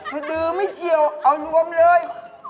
สะดือไม่เกี่ยวเอาอยู่รวมเลย